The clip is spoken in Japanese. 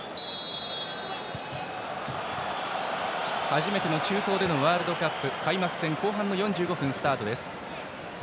初めての中東でのワールドカップ開幕戦後半の４５分、スタートです。